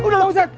udah bang ustadz